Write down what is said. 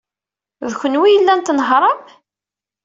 D kenwi ay yellan tnehhṛem.